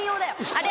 あれ？